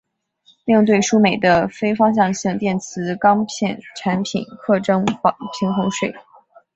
另对输美的非方向性电磁钢片产品课征平衡税。